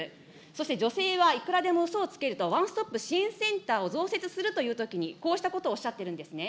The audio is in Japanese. そして女性はいくらでもうそをつけるとワンストップ支援センターを増設するというときに、こうしたことをおっしゃってるんですね。